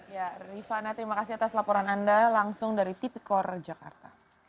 ya rifana terima kasih atas laporan anda langsung dari tipikor jakarta